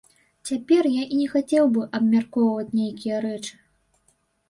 Цяпер я і не хацеў бы абмяркоўваць нейкія рэчы.